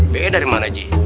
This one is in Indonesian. be dari mana ji